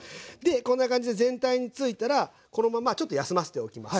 こんな感じで全体についたらこのままちょっと休ませておきます。